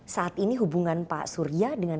saat ini hubungan pak surya dengan